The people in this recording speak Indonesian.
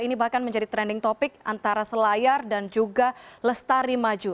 ini bahkan menjadi trending topic antara selayar dan juga lestari maju